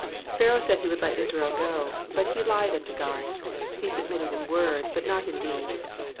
Pharaoh said he would let Israel go, but he lied unto God ; he submitted in word but not in deed.